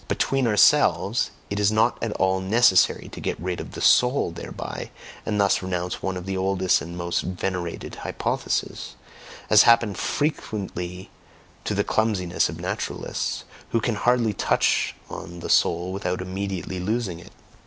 Between ourselves, it is not at all necessary to get rid of "the soul" thereby, and thus renounce one of the oldest and most venerated hypotheses as happens frequently to the clumsiness of naturalists, who can hardly touch on the soul without immediately losing it.